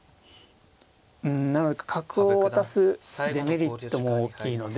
うんなので角を渡すデメリットも大きいので。